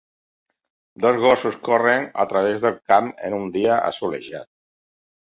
Dos gossos corren a través del camp en un dia assolellat.